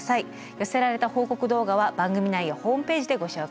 寄せられた報告動画は番組内やホームページでご紹介しています。